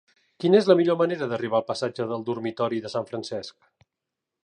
Quina és la millor manera d'arribar al passatge del Dormitori de Sant Francesc?